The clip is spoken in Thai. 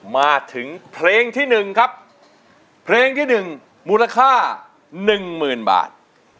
มาถึงเพลงที่๑ครับเพลงที่๑มูลค่า๑๐๐๐บาท